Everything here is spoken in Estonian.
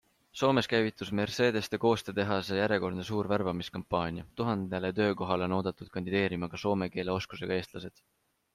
Soomes käivitus Mercedeste koostetehase järjekordne suur värbamiskampaania; tuhandele töökohale on oodatud kandideerima ka soome keele oskusega eestlased.